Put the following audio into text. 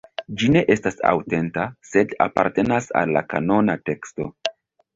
Ĝi ne estas aŭtenta, sed apartenas al la kanona teksto.